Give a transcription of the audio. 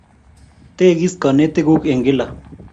Tegis kanetikuk eng' kila